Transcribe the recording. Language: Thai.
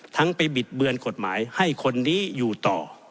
ไปบิดเบือนกฎหมายให้คนนี้อยู่ต่อ